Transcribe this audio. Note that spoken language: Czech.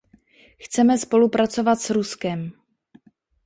Chceme spolupracovat s Ruskem.